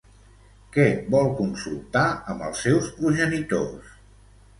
Què vol consultar amb els seus progenitors?